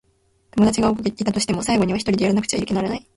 友達が多くいたとしても、最後にはひとりでやらなくちゃならない。